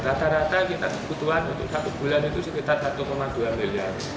rata rata kita kebutuhan untuk satu bulan itu sekitar satu dua miliar